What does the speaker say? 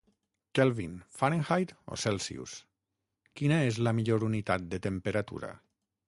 Kelvin, Fahrenheit o Celsius: quina és la millor unitat de temperatura?